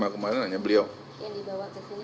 yang saya terima hanya pak setia ngovanto